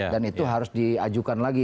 dan itu harus diajukan lagi